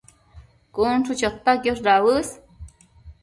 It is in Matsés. cun chu chota quiosh dauës